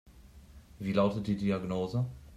Wie lautet die Diagnose?